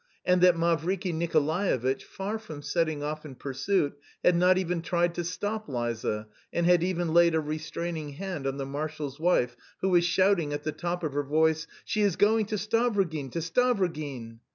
and that Mavriky Nikolaevitch, far from setting off in pursuit, had not even tried to stop Liza, and had even laid a restraining hand on the marshal's wife, who was shouting at the top of her voice: "She is going to Stavrogin, to Stavrogin."